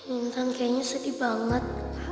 intan kayaknya sedih banget